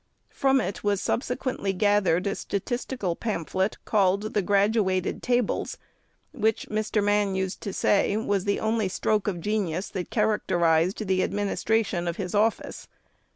From it was subsequently gathered a statistical pamphlet called the " Graduated Tables," which, Mr. Mann used to say, was the only stroke of genius that characterized the administration of his office.